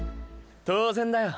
当然だよ。